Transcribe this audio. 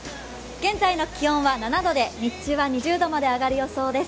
現在の気温は７度で日中は２０度まで上がる予想です。